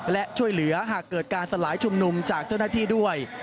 และช่วยเหลือหากเกิดการสลายชุมนุมจากเจ้าหน้าที่ด้วย